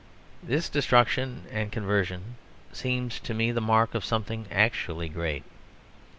This destruction and conversion seem to me the mark of something actually great.